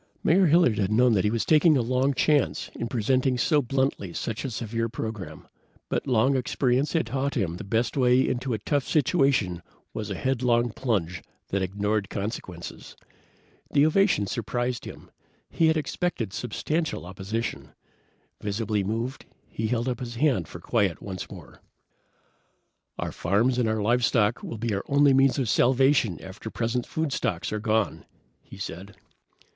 Mayor Hilliard had known he was taking a long chance in presenting so bluntly such a severe program, but long experience had taught him the best way into a tough situation was a headlong plunge that ignored consequences. The ovation surprised him. He had expected substantial opposition. Visibly moved, he held up his hand for quiet once more. "Our farms and our livestock will be our only means of salvation after present food stocks are gone," he said.